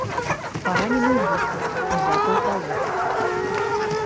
Паранены ў бітве, узяты ў палон.